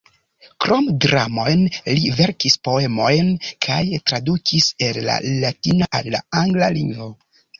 Krom dramojn li verkis poemojn kaj tradukis el la latina al la angla lingvo.